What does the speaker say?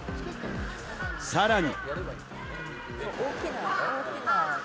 さらに。